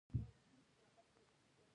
ژبې د افغانستان د ښاري پراختیا سبب کېږي.